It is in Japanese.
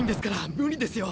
無理ですよ！